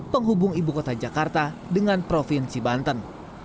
penghubung ibu kota jakarta dengan provinsi banten